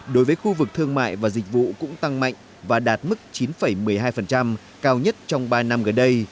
đối với khu vực thương mại và dịch vụ cũng tăng mạnh và đạt mức chín một mươi hai cao nhất trong ba năm gần đây